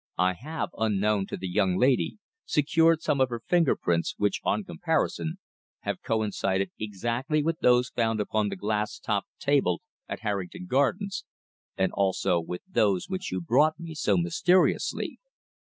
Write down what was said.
"I have, unknown to the young lady, secured some of her finger prints, which, on comparison, have coincided exactly with those found upon the glass topped table at Harrington Gardens, and also with those which you brought to me so mysteriously."